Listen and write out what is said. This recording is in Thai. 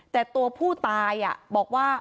แต่ตัวผู้ตายบอกว่า